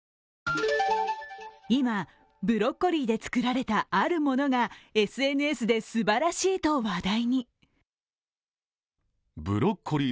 今、ブロッコリーで作られたあるものがＳＮＳで、すばらしいと話題に。